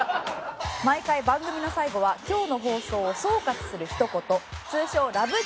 毎回番組の最後は今日の放送を総括するひと言通称ラブ！！